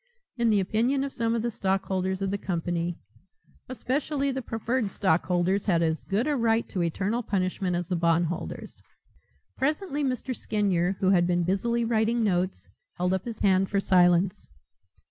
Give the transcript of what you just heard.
In the opinion of some the stockholders of the company, especially the preferred stockholders, had as good a right to eternal punishment as the bondholders. Presently Mr. Skinyer, who had been busily writing notes, held up his hand for silence.